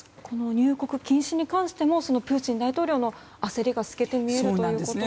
入国禁止に関してもプーチン大統領の焦りが透けて見えるということでしょうか。